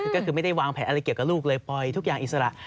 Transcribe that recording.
ก็คือไม่ได้วางแผนอะไรเกี่ยวกับลูกเลยปล่อยทุกอย่างอิสระ